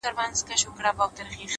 پایښت له ثابت قدمۍ راځي’